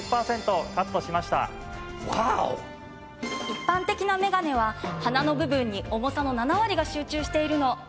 一般的なメガネは鼻の部分に重さの７割が集中しているの。